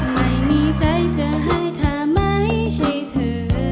ไม่มีใจจะให้เธอไม่ใช่เธอ